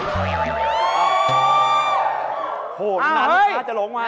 โธ่โหน่ะลูกภาพจะโหลงไว้